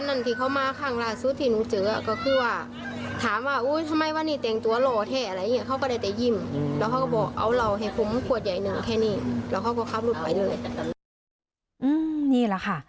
นี่ล่ะค่ะ